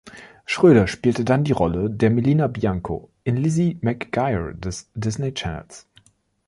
Schroeder spielte dann die Rolle der Melina Bianco in „Lizzie McGuire“ des Disney Channels.